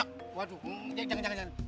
ya waduh ya jangan jangan jangan